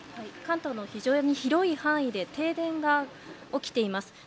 関東の非常に広い範囲で停電が起きています。